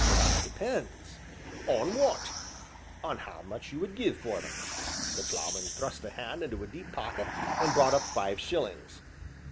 "That depends!" "On what?" "On how much you would give for them." The Ploughman thrust a hand into a deep pocket, and brought up five shillings.